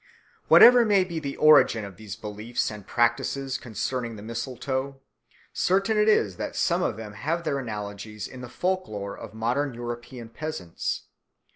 Whatever may be the origin of these beliefs and practices concerning the mistletoe, certain it is that some of them have their analogies in the folk lore of modern European peasants.